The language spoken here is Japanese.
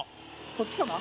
「こっちかな？」